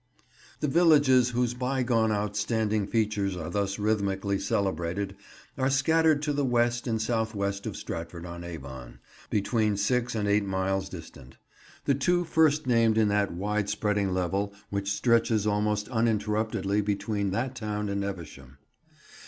The villages whose bygone outstanding features are thus rhythmically celebrated are scattered to the west and south west of Stratford on Avon, between six and eight miles distant; the two first named in that widespreading level which stretches almost uninterruptedly between that town and Evesham.